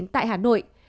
tại hà nội